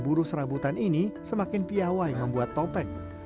buruh serabutan ini semakin piawai membuat topeng